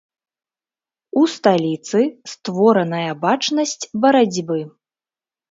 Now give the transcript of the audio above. У сталіцы створаная бачнасць барацьбы.